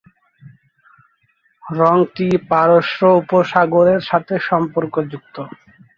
রঙটি পারস্য উপসাগরের সাথে সম্পর্কযুক্ত।